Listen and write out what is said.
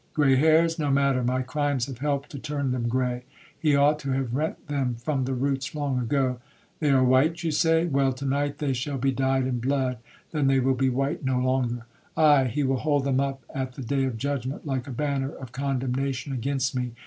Grey hairs?—no matter, my crimes have helped to turn them grey,—he ought to have rent them from the roots long ago. They are white, you say?—well, to night they shall be dyed in blood, then they will be white no longer. Aye,—he will hold them up at the day of judgment, like a banner of condemnation against me.